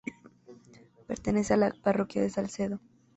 Pertenece a la parroquia de Salcedo.